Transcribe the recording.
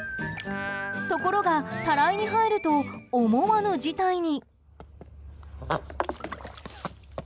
ところが、たらいに入ると思わぬ事態に。